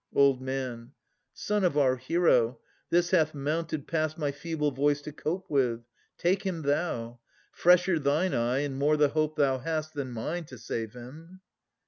OLD M. Son of our hero, this hath mounted past My feeble force to cope with. Take him thou! Fresher thine eye and more the hope thou hast Than mine to save him.